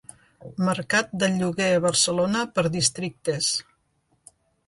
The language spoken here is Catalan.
Mercat del lloguer a Barcelona per districtes.